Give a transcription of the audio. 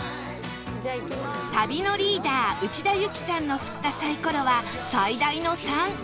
旅のリーダー内田有紀さんの振ったサイコロは最大の「３」